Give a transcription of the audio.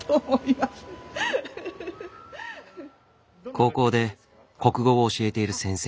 高校で国語を教えている先生。